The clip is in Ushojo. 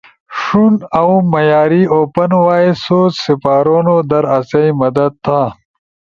ݜون اؤ معیاری اوپن وائس سورس سپارونو در آسئی مدد تھا۔